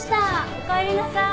おかえりなさい。